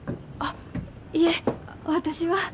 あっいえ私は。